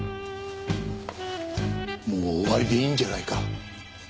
もう終わりでいいんじゃないか？